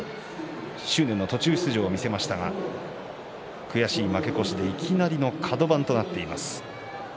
執念の途中出場を見せましたが悔しい負け越しでいきなりのカド番となっています。